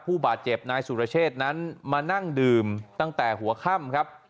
ผู้บาดเจ็บนายสุรเชษนั้นมานั่งดื่มตั้งแต่หัวค่ำครับ